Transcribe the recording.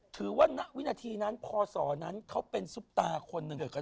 ถือว่าณวินาทีนั้นพอสอนั้นเขาเป็นซุปตาคนหนึ่ง